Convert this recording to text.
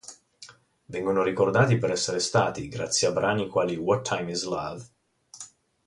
Vengono ricordati per essere stati, grazie a brani quali "What Time Is Love?